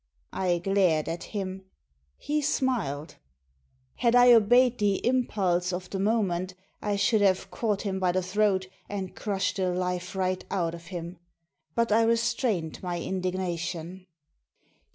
I glared at him. He smiled. Had I obeyed the impulse of the moment I should have caught him by the throat and crushed the life right out of him. But I restrained my in dignation.